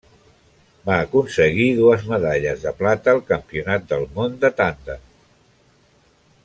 Va aconseguir dues medalles de plata al Campionat del món de tàndem.